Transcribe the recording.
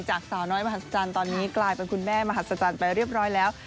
สาวน้อยมหัศจรรย์ตอนนี้กลายเป็นคุณแม่มหัศจรรย์ไปเรียบร้อยแล้ว